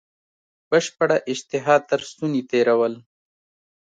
بشپړه اشتها تر ستوني تېرول.